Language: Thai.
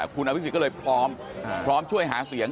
คุณอาวิสิตก็เลยพร้อมช่วยหาเสียง